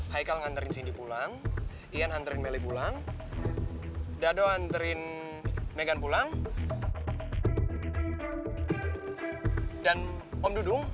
haikal nganterin sindi pulang ian anterin mele pulang dadoh anterin megan pulang dan om dudung